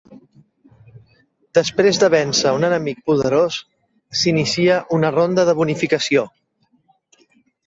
Després de vèncer un enemic poderós, s'inicia una ronda de bonificació.